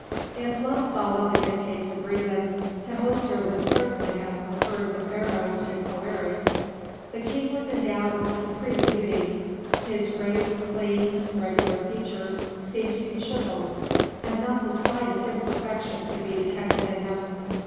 If love followed the dictates of reason, Tahoser would certainly have preferred the Pharaoh to Poëri. The King was endowed with supreme beauty. His great, clean, regular features seemed to be chiselled, and not the slightest imperfection could be detected in them.